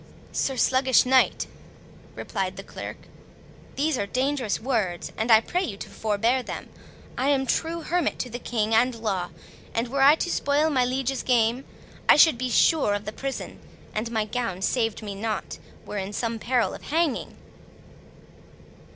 "Sir Sluggish Knight," replied the Clerk, "these are dangerous words, and I pray you to forbear them. I am true hermit to the king and law, and were I to spoil my liege's game, I should be sure of the prison, and, an my gown saved me not, were in some peril of hanging."